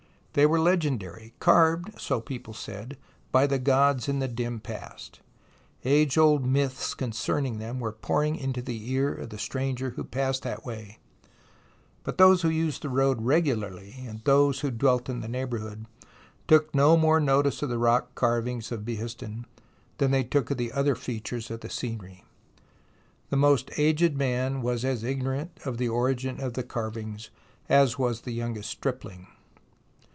They were legendary, carved, so people said, by the gods in the dim past. Age old myths concerning them were poured into the ear of the stranger who passed that way, but those who used the road regularly, and those who dwelt in the neighbour hood, took no more notice of the rock carvings of los 106 THE ROMANCE OF EXCAVATION Behistun than they took of the other features of the scenery. The most aged man was as ignorant of the origin of the carvings as was the youngest stripHng.